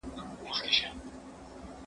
زه اجازه لرم چي کالي پرېولم!؟